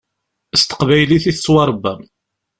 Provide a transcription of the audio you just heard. S teqbaylit i tettwaṛebbam.